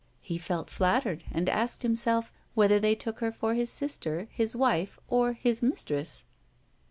He felt flattered, and asked himself whether they took her for his sister, his wife, or his mistress.